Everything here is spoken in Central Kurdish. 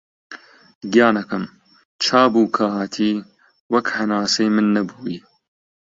گیانەکەم! چابوو کە هاتی، وەک هەناسەی من نەبووی